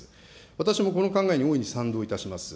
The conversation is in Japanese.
私もこの考えに大いに賛同いたします。